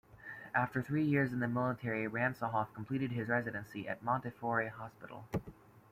After three years in the military, Ransohoff completed his residency at Montefiore Hospital.